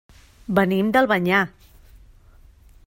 Venim d'Albanyà.